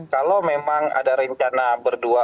kalau memang ada rencana berdua